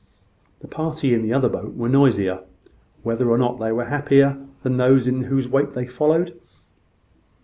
The party in the other boat were noisier, whether or not they were happier, than those in whose wake they followed.